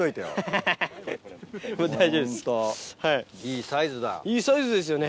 はい。